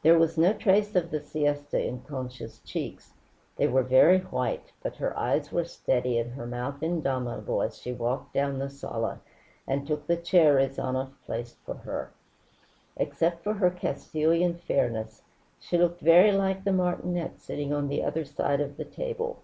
There was no trace of the siesta in Concha's cheeks. They were very white, but her eyes were steady and her mouth indomitable as she walked down the sala and took the chair Rezanov placed for her. Except for her Castilian fairness, she looked very like the martinet sitting on the other side of the table.